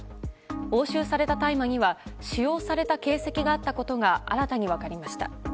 押収された大麻には使用された形跡があったことが新たに分かりました。